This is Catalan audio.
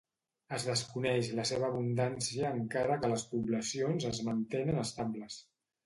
Es desconeix la seva abundància encara que les poblacions es mantenen estables.